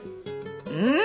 うん！